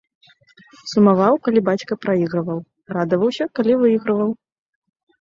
Сумаваў, калі бацька прайграваў, радаваўся, калі выйграваў.